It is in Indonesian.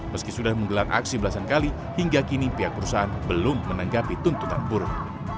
meski sudah menggelar aksi belasan kali hingga kini pihak perusahaan belum menanggapi tuntutan buruh